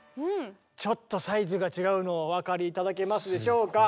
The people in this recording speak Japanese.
ちょっとサイズが違うのお分かり頂けますでしょうか？